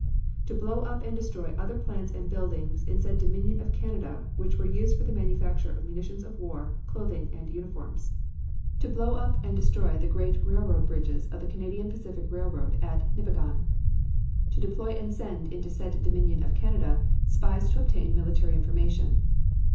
"To blow up and destroy other plants and buildings in said Dominion of Canada, which were used for the manufacture of munitions of war, clothing and uniforms. "To blow up and destroy the great railroad bridges of the Canadian Pacific Railroad at Nipigon. ... "To employ and send into said Dominion of Canada spies to obtain military information."